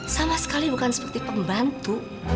sama sekali bukan seperti pembantu